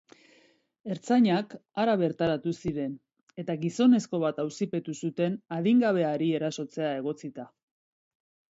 Ertzainak hara bertaratu ziren, eta gizonezko bat auzipetu zuten adingabeari erasotzea egotzita.